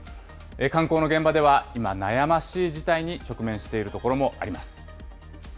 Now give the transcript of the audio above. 観光の現場では、今、悩ましい事態に直面しているところもあります。